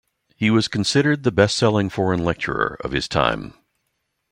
He was considered the bestselling foreign lecturer of his time.